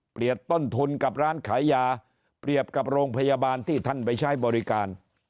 ต้นทุนกับร้านขายยาเปรียบกับโรงพยาบาลที่ท่านไปใช้บริการ